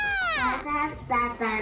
わかったかな？